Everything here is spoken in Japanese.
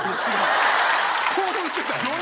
興奮してたんや。